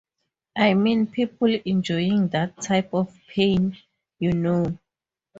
I mean ... people enjoying that type of pain, you know?